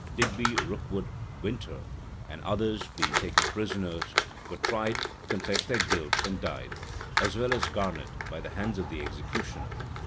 Digby, Rookwood, Winter, and others, being taken prisoners, were tried, confessed their guilt, and died, as well as Garnet, by the hands of the executioner.